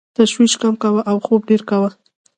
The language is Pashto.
تشویش کم کوه او خوب ډېر کوه .